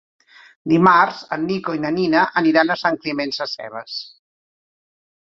Dimarts en Nico i na Nina aniran a Sant Climent Sescebes.